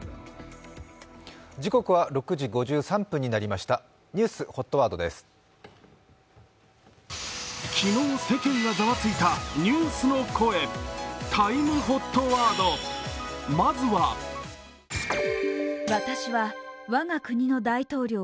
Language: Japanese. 時刻は６時５３分になりました、ニュースＨＯＴワードです。